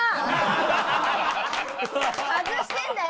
外してんだよ！